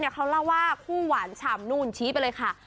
คู่หวานฉ่ำนู่นชี้ไปเลยค่ะ